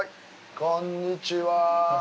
こんにちは！